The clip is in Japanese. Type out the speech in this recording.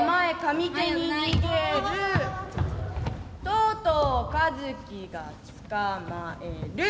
とうとう和翔がつかまえる。